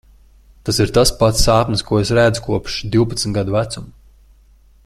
Tas ir tas pats sapnis, ko es redzu kopš divpadsmit gadu vecuma.